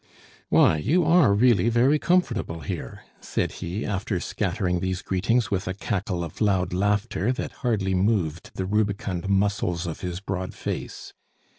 "Why, you are really very comfortable here," said he, after scattering these greetings with a cackle of loud laughter that hardly moved the rubicund muscles of his broad face.